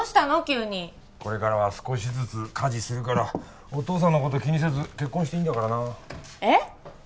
急にこれからは少しずつ家事するからお父さんのこと気にせず結婚していいんだからなえっ？